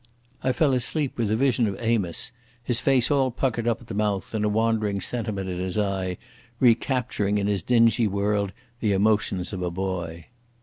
I fell asleep with a vision of Amos, his face all puckered up at the mouth and a wandering sentiment in his eye, recapturing in his dingy world the emotions of a boy.